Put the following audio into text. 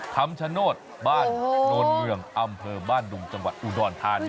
คำชโนธบ้านโนนเมืองอำเภอบ้านดุงจังหวัดอุดรธานี